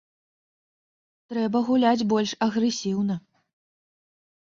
Трэба гуляць больш агрэсіўна.